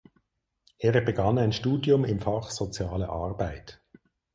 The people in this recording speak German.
Er begann ein Studium im Fach Soziale Arbeit.